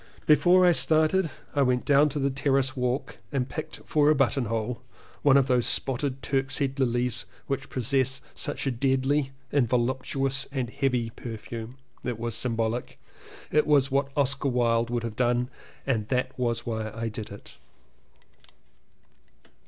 Before I started I went down to the terrace walk and picked for a buttonhole one of those spotted Turkshead lilies, which possess such a deadly and voluptuous and heavy perfume. It was symbolic: it was what Oscar Wilde would have done and that was why I did it.